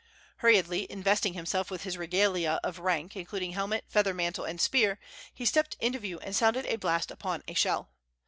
Hurriedly investing himself with his regalia of rank, including helmet, feather mantle and spear, he stepped into view and sounded a blast upon a shell.